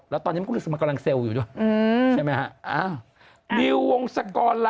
แล้วตอนนี้มันรู้สึกมันกำลังเซลล์อยู่ด้วยใช่ไหมฮะ